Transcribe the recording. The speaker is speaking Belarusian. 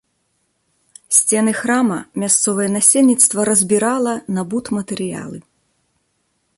Сцены храма мясцовае насельніцтва разбірала на будматэрыялы.